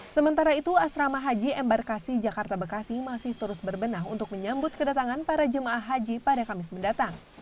sementara itu asrama haji embarkasi jakarta bekasi masih terus berbenah untuk menyambut kedatangan para jemaah haji pada kamis mendatang